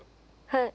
はい。